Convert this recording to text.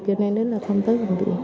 do nên đến là không tới bệnh viện